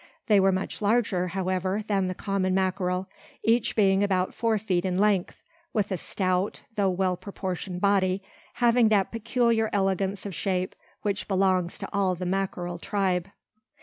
They were much larger, however, than the common mackerel, each being about four feet in length, with a stout, though well proportioned body, having that peculiar elegance of shape which belongs to all the mackerel tribe.